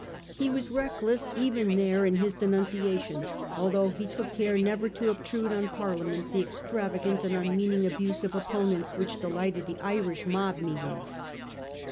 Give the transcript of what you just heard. He was reckless even there in his denunciation, although he took care never to obtrude on Parliament the extra vagant and unmeaning abuse of opponents which delighted the Irish mob meetings.